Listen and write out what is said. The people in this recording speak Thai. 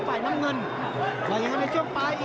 ปล่อยน้ำเงินปล่อยให้ในช่วงปลาย